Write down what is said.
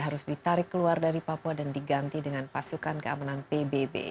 harus ditarik keluar dari papua dan diganti dengan pasukan keamanan pbb